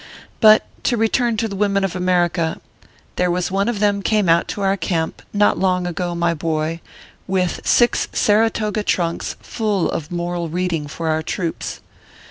But, to return to the women of America, there was one of them came out to our camp not long ago, my boy, with six Saratoga trunks full of moral reading for our troops.